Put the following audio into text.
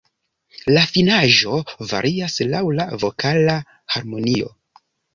La finaĵo varias laŭ la vokala harmonio.